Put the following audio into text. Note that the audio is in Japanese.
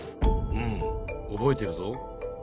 うん覚えてるぞ。